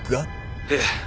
ええ。